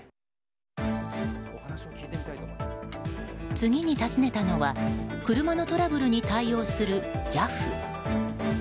次に訪ねたのは車のトラブルに対応するＪＡＦ。